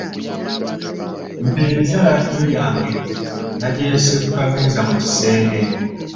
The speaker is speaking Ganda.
Mpeereza laadiyo yange nagirese ku kameeza mu kisenge.